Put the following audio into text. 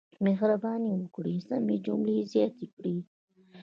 مهرباني وکړئ سمې جملې زیاتې کړئ.